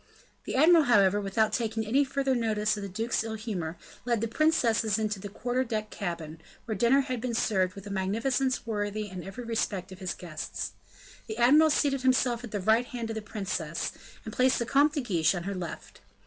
The admiral, however, without taking any further notice of the duke's ill humor, led the princesses into the quarter deck cabin, where dinner had been served with a magnificence worthy in every respect of his guests. The admiral seated himself at the right hand of the princess, and placed the Comte de Guiche on her left.